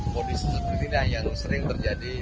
kondisi seperti inilah yang sering terjadi